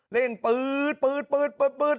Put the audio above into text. ่งปื๊ด